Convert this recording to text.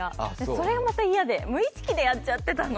それがまた嫌で無意識でやっちゃってたの？